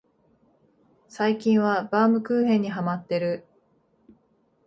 最近はバウムクーヘンにハマってる